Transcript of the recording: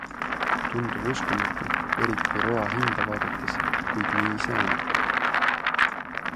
Tundub uskumatu, eriti roa hinda vaadates, kuid nii see on.